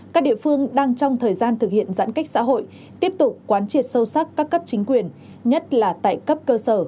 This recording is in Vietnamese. các địa phương đang trong thời gian thực hiện giãn cách xã hội tiếp tục quán triệt sâu sắc các cấp chính quyền nhất là tại cấp cơ sở